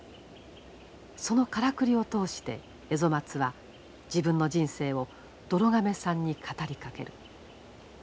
そのからくりを通してエゾマツは自分の人生をどろ亀さんに語りかける。